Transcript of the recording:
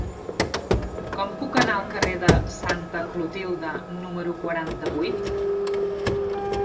Com puc anar al carrer de Santa Clotilde número quaranta-vuit?